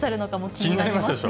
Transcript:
気になりますよね。